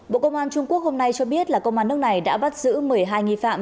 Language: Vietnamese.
bộ công an trung quốc hôm nay cho biết là công an nước này đã bắt giữ một mươi hai nghi phạm